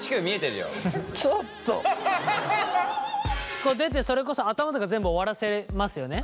こう出てそれこそ頭とか全部終わらせますよね。